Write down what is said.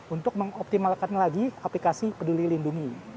untuk mengoptimalkan lagi aplikasi peduli lindungi